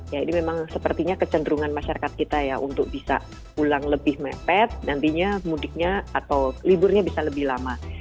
ya ini memang sepertinya kecenderungan masyarakat kita ya untuk bisa pulang lebih mepet nantinya mudiknya atau liburnya bisa lebih lama